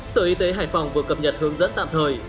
sở y tế hải phòng vừa cập nhật hướng dẫn tạm thời